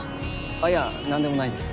あっいや何でもないです。